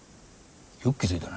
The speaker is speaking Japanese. よく気付いたな。